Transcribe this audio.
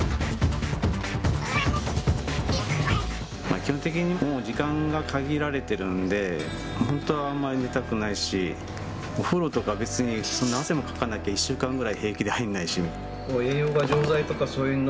基本的にもう時間が限られてるんで本当はあんまり寝たくないしお風呂とか別にそんな汗もかかなきゃ１週間ぐらい平気で入んないし。